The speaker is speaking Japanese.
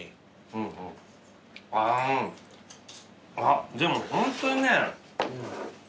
あっでもホントにね。